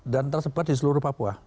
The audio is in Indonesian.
dan tersebar di seluruh papua